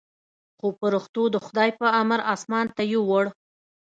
خو پرښتو د خداى په امر اسمان ته يووړ.